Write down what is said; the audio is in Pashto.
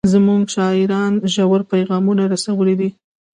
زموږ شاعرانو ژور پیغامونه رسولي دي.